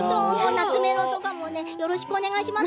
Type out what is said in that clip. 懐メロとかよろしくお願いします